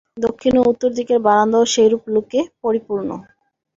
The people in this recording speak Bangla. দক্ষিণ ও উত্তর দিকের বারান্দাও সেইরূপ লোকে পরিপূর্ণ।